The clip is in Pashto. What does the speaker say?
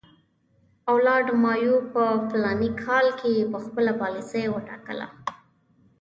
لارډ مایو په فلاني کال کې خپله پالیسي وټاکله.